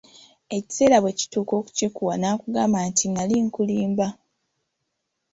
Ekiseera bwe kituuka okukikuwa nakugamba nti nnali nkulimba.